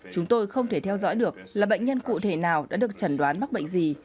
chúng tôi không thể theo dõi được là bệnh nhân cụ thể nào đã được chẩn đoán mắc bệnh gì